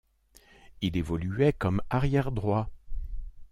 Il évoluait comme arrière droit.